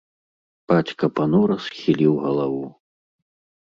Бацька панура схіліў галаву.